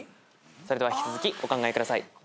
それでは引き続きお考えください。